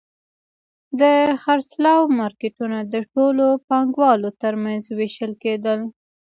د خرڅلاو مارکېټونه د ټولو پانګوالو ترمنځ وېشل کېدل